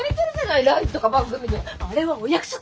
あれはお約束